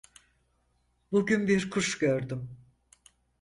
Bugün bir kuş gördüm.